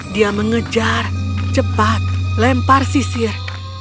dia mengejar cepat lempar sisir